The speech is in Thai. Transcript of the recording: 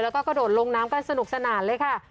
แล้วก็กระโดดลงน้ำกันสนุกสนานเลยค่ะ